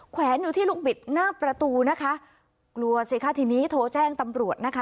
แวนอยู่ที่ลูกบิดหน้าประตูนะคะกลัวสิคะทีนี้โทรแจ้งตำรวจนะคะ